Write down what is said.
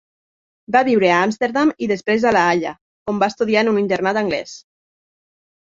Va viure a Amsterdam i després a La Haia, on va estudiar en un internat anglès.